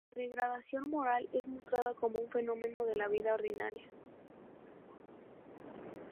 La degradación moral es mostrada como un fenómeno de la vida ordinaria.